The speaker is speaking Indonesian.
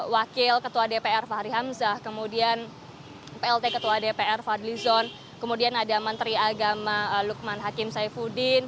wakil ketua dpr fahri hamzah kemudian plt ketua dpr fadli zon kemudian ada menteri agama lukman hakim saifuddin